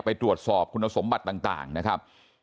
ไปตรวจสอบคุณสมบัติต่างนะครับ